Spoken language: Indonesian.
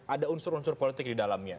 ada unsur unsur politik di dalamnya